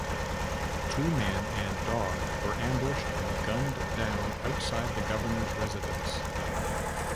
The two men and dog were ambushed and gunned down outside the Governor's residence.